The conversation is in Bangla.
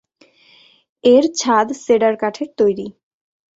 এর ছাদ সেডার কাঠের তৈরি।